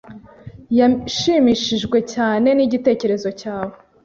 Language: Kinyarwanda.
Yashimishijwe cyane nigitekerezo cyawe.